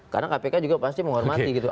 karena kpk juga pasti menghormati gitu